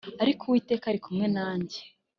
Ariko Uwiteka ari kumwe nanjye